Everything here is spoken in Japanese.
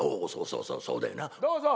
「どうぞ！